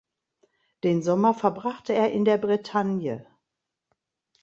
Den Sommer verbrachte er in der Bretagne.